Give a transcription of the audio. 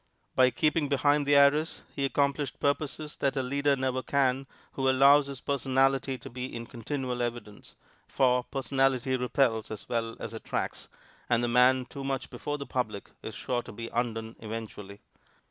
By keeping behind the arras, he accomplished purposes that a leader never can who allows his personality to be in continual evidence, for personality repels as well as attracts, and the man too much before the public is sure to be undone eventually.